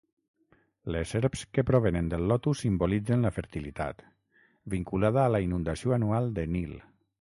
Les serps que provenen del lotus simbolitzen la fertilitat, vinculada a la inundació anual de Nil.